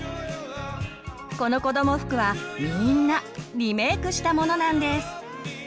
このこども服はみんなリメークしたものなんです。